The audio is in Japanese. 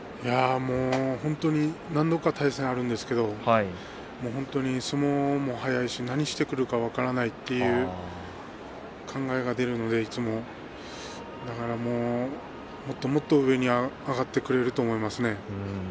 本当に何度か対戦したことあるんですが何をしてくるか分からないという考えが出るのでいつもなかなか、もっともっと上に上がってくれると思いますね。